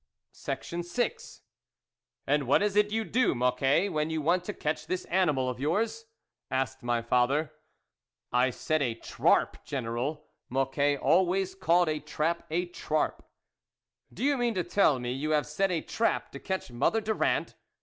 THE WOLF LEADER VI " A ND what is it you do, Mocquet, j\_ when you want to catch this animal of yours ?" asked my father. " I set a trarp, General." Mocquet always called a trap a trarp. " Do you mean to tell me you have set a trap to catch Mother Durand